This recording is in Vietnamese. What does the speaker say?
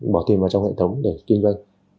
bỏ tiền vào trong hệ thống để kinh doanh